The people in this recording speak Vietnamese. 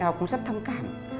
họ cũng rất thông cảm